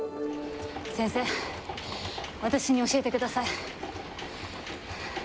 先生、私に教えてください。